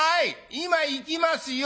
今行きますよ。